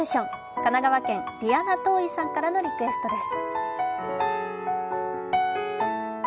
神奈川県、リアナトーイさんからのリクエストです。